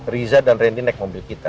riza dan randy naik mobil kita